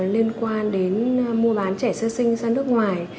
liên quan đến mua bán trẻ sơ sinh sang nước ngoài